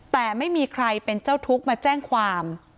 แต่ไม่มีใครเป็นเจ้าทุกข์มาแจ้งความ